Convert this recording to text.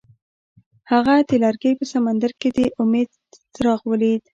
هغه د لرګی په سمندر کې د امید څراغ ولید.